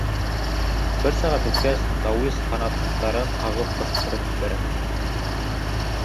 Бер сәғәт үткәс, тауис, ҡанаттарын ҡағып, ҡысҡырып ебәрә.